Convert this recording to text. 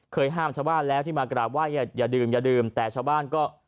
ห้ามชาวบ้านแล้วที่มากราบไห้อย่าดื่มอย่าดื่มแต่ชาวบ้านก็